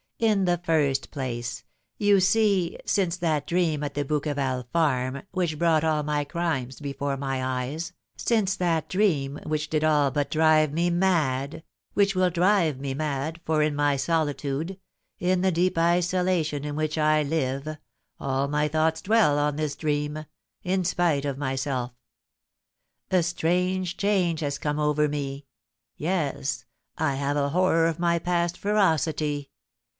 "In the first place, you see, since that dream at the Bouqueval farm, which brought all my crimes before my eyes, since that dream, which did all but drive me mad, which will drive me mad, for, in my solitude, in the deep isolation in which I live, all my thoughts dwell on this dream, in spite of myself, a strange change has come over me; yes, I have a horror of my past ferocity.